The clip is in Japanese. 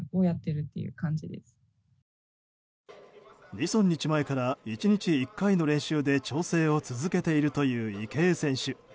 ２３日前から１日１回の練習で調整を続けているという池江選手。